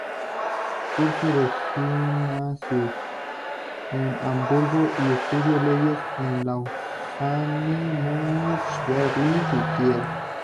Cursó el Gymnasium en Hamburgo y estudió leyes en Lausanne, Múnich, Berlin y Kiel.